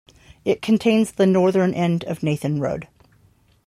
It contains the northern end of Nathan Road.